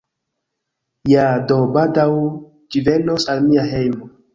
Ja, do, baldaŭ ĝi venos al mia hejmo